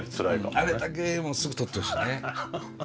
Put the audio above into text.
あれだけすぐ取ってほしいね。